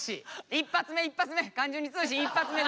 一発目一発目。